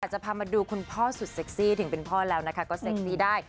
จะพามาดูคุณพ่อสุดเซ็กซี่ถึงเป็นพ่อแล้วนะคะก็เซ็กซี่ได้